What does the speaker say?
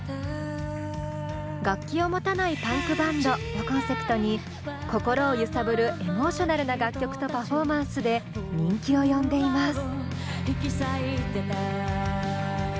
「楽器を持たないパンクバンド」をコンセプトに心を揺さぶるエモーショナルな楽曲とパフォーマンスで人気を呼んでいます。